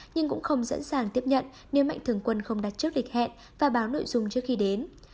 nhưng cũng không sẵn sàng tiếp nhận nếu mạnh thường quân không đặt trước lịch hẹn và báo nội dung trước khi đến